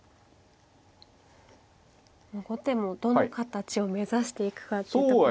後手もどの形を目指していくかってところが。